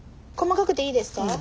細かくていいですか？